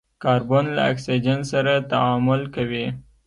کاربن له اکسیجن سره تعامل کوي.